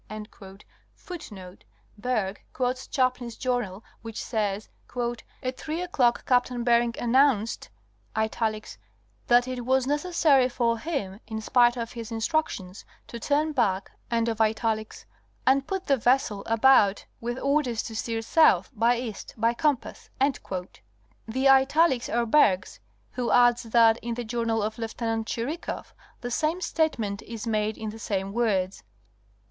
Miller and other authori * Bergh (p. 54) quotes Chaplin's journal, which says: '' At three o'clock Captain Bering announced : that it was necessary for him, in spite of his instructions, to turn back, and put the vessel about with orders to steer S. by E. by compass." The italics are Bergh's, who adds that, in the journal of Lieut. Chirikoff, the same statement is made in the same words.